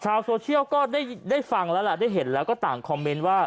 ชาวโซเชียลก็ได้ฟังแล้วล่ะได้เห็นแล้วก็ต่างคอมเมนต์ว่า